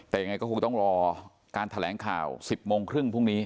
แต่ยังไงก็คงต้องรอการแถลงข่าว๑๐โมงครึ่งพรุ่งนี้